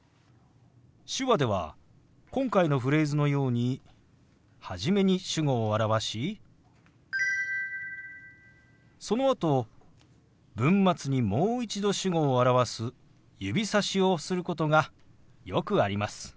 手話では今回のフレーズのように初めに主語を表しそのあと文末にもう一度主語を表す指さしをすることがよくあります。